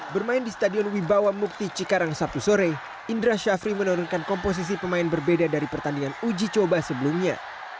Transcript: bermain di stadion wibawa mukti cikarang sabtu sore indra syafri menurunkan komposisi pemain berbeda dari pertandingan uji coba sebelumnya